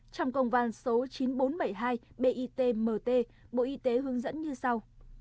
trong công văn số chín nghìn bốn trăm bảy mươi hai bitmt bộ y tế hướng dẫn như sau